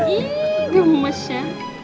ih gemes ya